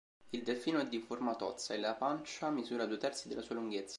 Il delfino è di forma tozza e la pancia misura due-terzi della sua lunghezza.